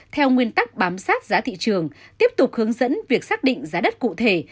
theo nguyên tắc bám sát giá thị trường tiếp tục hướng dẫn việc xác định giá đất cụ thể